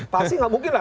pasti nggak mungkin lah